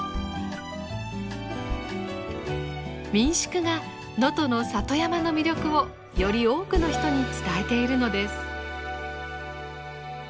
民宿が能登の里山の魅力をより多くの人に伝えているのです。